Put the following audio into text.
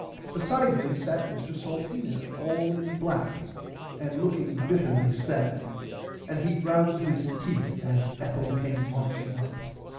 Beside him sat Mr Salteena all in black and looking bitterly sad and he ground his teeth as Ethel came marching up.